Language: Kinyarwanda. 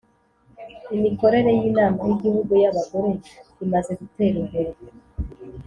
Imikorere yinama yigihugu yabagore imaze gutera imbere